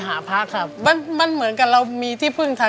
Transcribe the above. สามีก็ต้องพาเราไปขับรถเล่นดูแลเราเป็นอย่างดีตลอดสี่ปีที่ผ่านมา